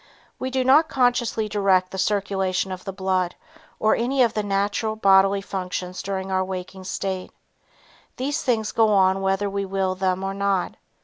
We do not consciously direct the circulation of the blood, or any of the natural bodily functions during our waking state. These things go on whether we will them or not.